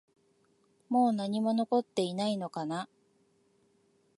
もう何も残っていないのかな？